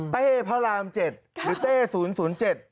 เต้พระราม๗หรือเต้๐๐๗